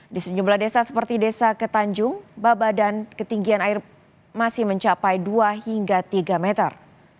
di sejumlah desa seperti desa ketanjung babadan ketinggian air masih mencapai dua hingga tiga meter